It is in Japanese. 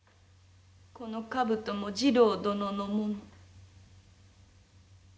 この兜も次郎殿のもの。